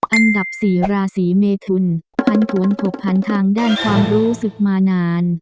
อันดับ๔ราศีเมทุนพันผวนผูกพันทางด้านความรู้สึกมานาน